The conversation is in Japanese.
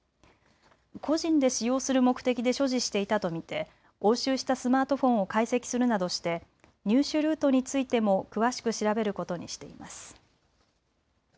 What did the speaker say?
個人で使用する目的で所持していたと見て押収したスマートフォンを解析するなどして入手ルートについても詳しく調べることにしています。